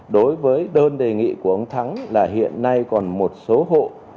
đối với đơn đề nghị của ông thắng là hiện nay còn một số hộ